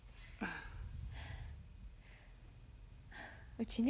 うちね